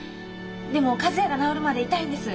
でも和也が治るまでいたいんです。